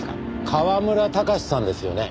河村貴司さんですよね？